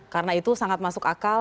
karena itu sangat masuk akal